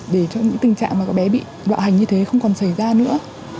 để trong những tình trạng mà bé bị bạo hành như thế không còn xảy ra nữa